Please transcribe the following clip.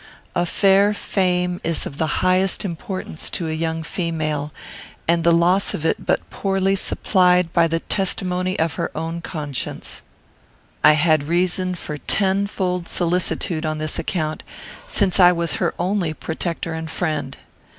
A fair fame is of the highest importance to a young female, and the loss of it but poorly supplied by the testimony of her own conscience. I had reason for tenfold solicitude on this account, since I was her only protector and friend.